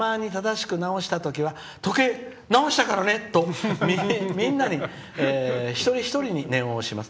たまに正しく直したときは時計、直したからね！と一人一人に念を押します。